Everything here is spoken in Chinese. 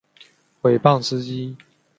毁谤司机